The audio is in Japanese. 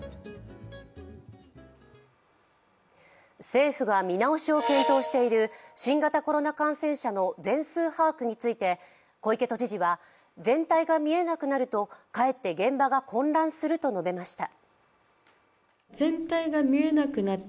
政府が見直しを検討している新型コロナ感染者の全数把握について小池都知事は全体が見えなくなるとかえって現場が混乱すると述べました。